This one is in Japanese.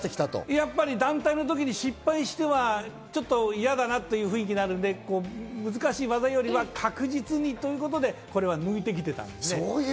やっぱり団体のとき失敗したらやだなという雰囲気になるので、難しい技よりは確実にとるということで、これは抜いてきていたんです。